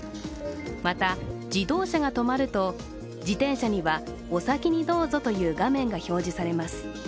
また、自動車が止まると自転車には「お先にどうぞ」という画面が表示されます。